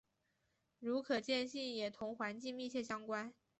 如可见性也同环境密切相关。